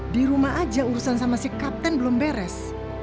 di rumah aja urusan sama si kapten belum beres